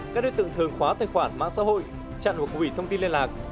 các đối tượng thường khóa tài khoản mạng xã hội trận một quỹ thông tin liên lạc